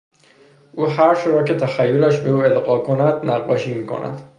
او هرچه را که تخیلش به او القا کند نقاشی میکند.